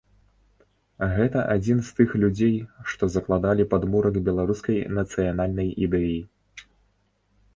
Гэта адзін з тых людзей, што закладалі падмурак беларускай нацыянальнай ідэі.